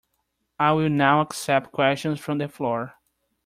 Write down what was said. I will now accept questions from the floor.